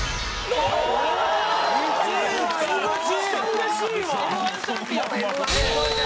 うれしい！